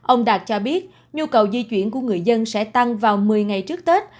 ông đạt cho biết nhu cầu di chuyển của người dân sẽ tăng vào một mươi ngày trước tết